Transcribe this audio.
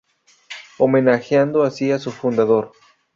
Homenajeando así a su fundador.